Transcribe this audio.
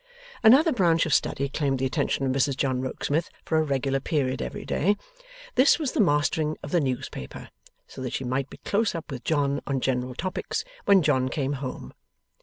Another branch of study claimed the attention of Mrs John Rokesmith for a regular period every day. This was the mastering of the newspaper, so that she might be close up with John on general topics when John came home.